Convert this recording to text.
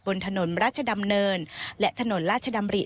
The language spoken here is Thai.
บนถนนราชดำเนินและถนนราชดำริ